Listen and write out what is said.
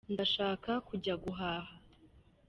Ndashaka kujya guhaha.